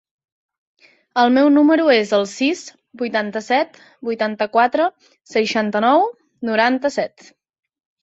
El meu número es el sis, vuitanta-set, vuitanta-quatre, seixanta-nou, noranta-set.